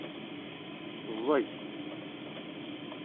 Ẓẓeg.